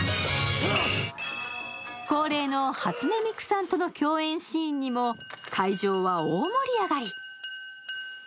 恒例の初音ミクさんとの共演シーンにも会場は大盛り上がり。